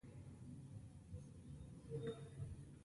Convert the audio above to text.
امیر د لیکونو متنونه عطامحمد خان ته ښکاره کول.